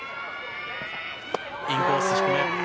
インコース低め。